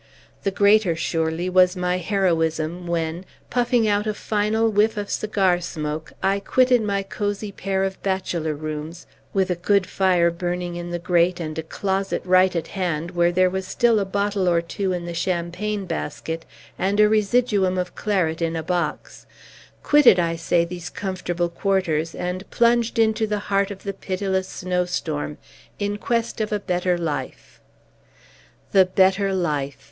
The greater, surely, was my heroism, when, puffing out a final whiff of cigar smoke, I quitted my cosey pair of bachelor rooms, with a good fire burning in the grate, and a closet right at hand, where there was still a bottle or two in the champagne basket and a residuum of claret in a box, quitted, I say, these comfortable quarters, and plunged into the heart of the pitiless snowstorm, in quest of a better life. The better life!